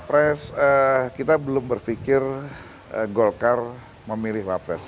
pres kita belum berpikir golkar memilih wapres